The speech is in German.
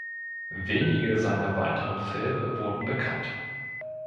Wenige seiner weiteren Filme wurden bekannt.